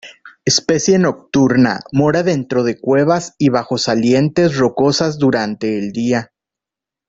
Especie nocturna, mora dentro de cuevas y bajo salientes rocosas durante el día.